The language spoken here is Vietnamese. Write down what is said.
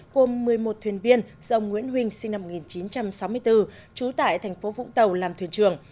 gồm một mươi một thuyền biên do ông nguyễn huynh sinh năm một nghìn chín trăm sáu mươi bốn trú tại thành phố vũng tàu làm thuyền trường